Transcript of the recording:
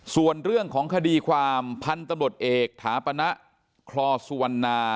ส่วนเรื่องของคดีความพันธุ์ตำรวจเอกถาปณะคลอสุวรรณา